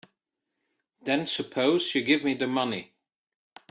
Then suppose you give me the money.